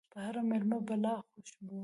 په هر ميلمه بلا خوشبو